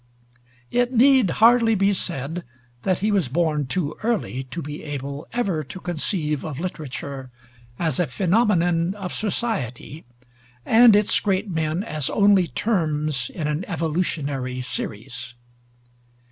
It need hardly be said that he was born too early to be able ever to conceive of literature as a phenomenon of society, and its great men as only terms in an evolutionary series.